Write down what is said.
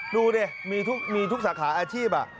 ดูดิมีทุกสาขาอาชีพ